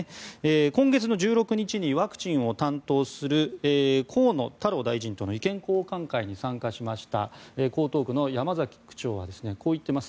今月の１６日にワクチンを担当する河野太郎大臣との意見交換会に参加しました江東区の山崎区長はこう言っています。